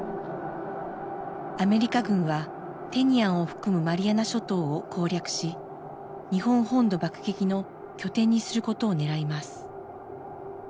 アメリカ軍はテニアンを含むマリアナ諸島を攻略し日本本土爆撃の拠点にすることを狙います。